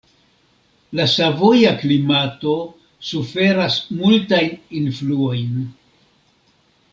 La savoja klimato suferas multajn influojn.